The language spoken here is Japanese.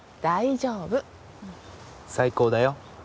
大丈夫最高だよ